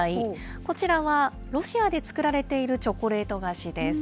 こちらは、ロシアで作られているチョコレート菓子です。